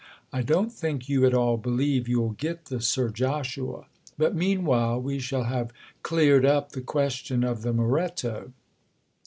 I don't think you at all believe you'll get the Sir Joshua—but meanwhile we shall have cleared up the question of the Moretto."